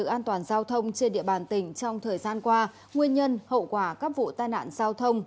tự an toàn giao thông trên địa bàn tỉnh trong thời gian qua nguyên nhân hậu quả các vụ tai nạn giao thông